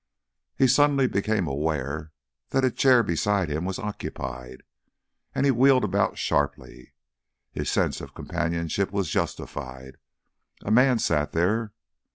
He suddenly became aware that a chair beside him was occupied, and he wheeled about sharply. His sense of companionship was justified; a man sat there.